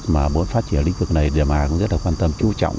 mà muốn phát triển lĩnh vực này đồng hà cũng rất quan tâm chú trọng